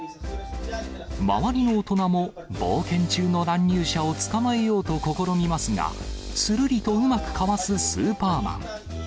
周りの大人も、冒険中の乱入者を捕まえようと試みますが、するりとうまくかわすスーパーマン。